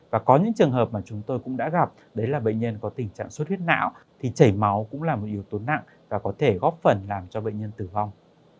và có những trường hợp mà chúng tôi cũng đã gặp đấy là bệnh nhân có tình trạng suốt huyết não thì chảy máu cũng là một yếu tố nặng và có thể góp phần làm cho bệnh nhân tử vong